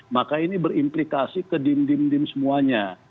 maka ini berimplikasi ke dim dim dim semuanya